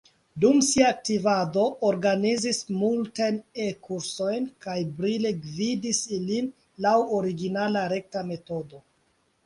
Dum sia aktivado organizis multajn E-kursojn kaj brile gvidis ilin laŭ originala rekta metodo.